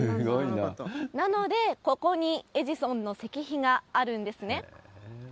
なので、ここにエジソンの石碑があるんですね。